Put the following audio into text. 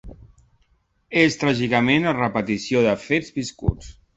És tràgicament la repetició de fets viscuts.